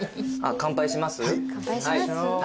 乾杯します？